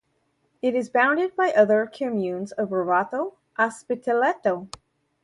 It is bounded by other communes of Rovato, Ospitaletto.